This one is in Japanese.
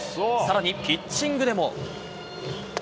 さらにピッチングでも。